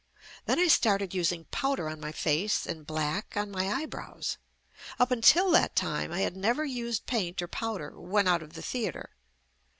Then I start ed using powder on my face and black on my eyebrows. Up until that time I had never used paint or powder when out of the theatre.